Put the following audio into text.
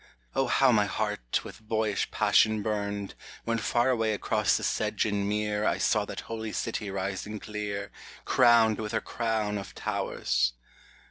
O how my heart with boyish passion burned, When far away across the sedge and mere I saw that Holy City rising clear, Crowned with her crown of towers